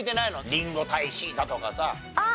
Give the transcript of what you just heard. りんご大使だとかさ。